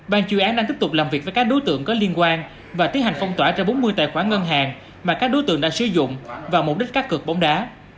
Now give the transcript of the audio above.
ban chư án đang tiếp tục làm việc với các đối tượng có liên quan và tiến hành phong tỏa cho bốn mươi tài khoản ngân hàng mà các đối tượng đã sử dụng vào mục đích cá cược bóng đá